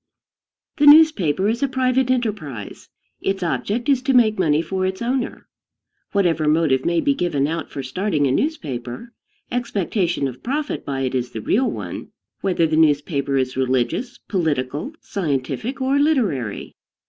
The newspaper is a private enterprise. Its object is to make money for its owner. Whatever motive may be given out for starting a newspaper, expectation of profit by it is the real one, whether the newspaper is religious, political, scientific, or literary.